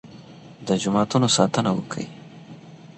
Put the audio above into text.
د جوماتونو ساتنه وکړئ.